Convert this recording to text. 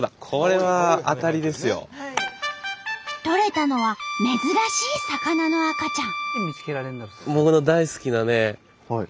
とれたのは珍しい魚の赤ちゃん。